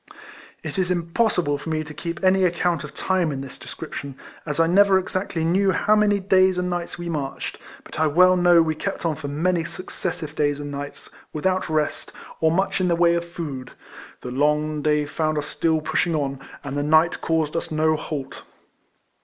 It is impossible for me to keep any ac EIFLEMAN HARRIS. 181 count of time in this description, as I never exactly knew how many days and nights we marched; but I well know we kept on for many successive days and nights, without rest, or much in the way of food. The long day found us still pushing on, and the night caused us no halt.